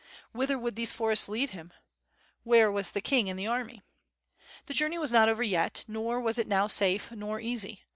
Whither would these forests lead him? Where was the king and the army? The journey was not over yet, nor was it now safe nor ea^y.